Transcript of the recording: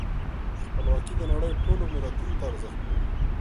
خپلواکي د نړۍ ټولو ملتونو ته ارزښت لري.